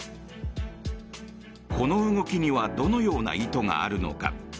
この動きにはどのような意図があるのか。